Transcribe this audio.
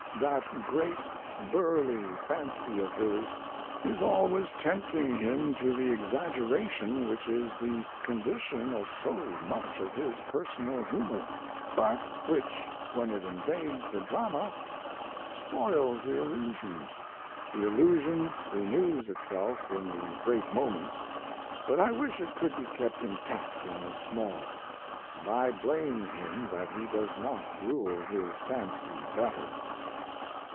That great, burly fancy of his is always tempting him to the exaggeration which is the condition of so much of his personal humor, but which when it invades the drama spoils the illusion. The illusion renews itself in the great moments, but I wish it could be kept intact in the small, and I blame him that he does not rule his fancy better.